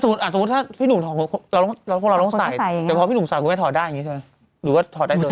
สมมุติถ้าพี่หนุ่มถอดพวกเราต้องใส่แต่พอพี่หนุ่มใส่คุณแม่ถอดได้อย่างนี้ใช่ไหมหรือว่าถอดได้เลย